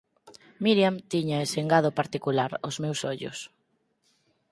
Miriam tiña ese engado particular ós meus ollos.